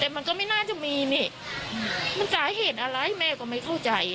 แต่มันก็ไม่น่าจะมีนี่มันสาเหตุอะไรแม่ก็ไม่เข้าใจ